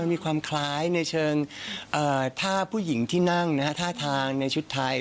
มีความคล้ายในเชิงถ้าผู้หญิงที่นั่งท่าทางในชุดไทย